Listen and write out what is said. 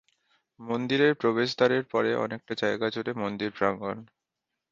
মন্দিরের প্রবেশদ্বারের পরে অনেকটা জায়গা জুড়ে মন্দিরপ্রাঙ্গণ।